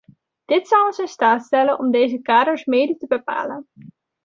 Dit zou ons in staat stellen om deze kaders mede te bepalen.